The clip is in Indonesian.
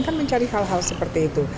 kan mencari hal hal seperti itu